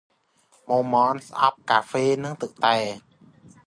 មរមនស្អប់កាហ្វេនិងទឹកតែ ។